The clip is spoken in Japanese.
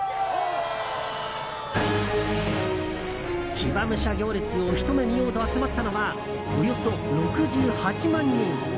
騎馬武者行列をひと目見ようと集まったのはおよそ６８万人。